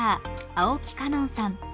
青木歌音さん。